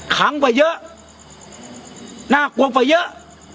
ขั้งไปเยอะปประเยอะ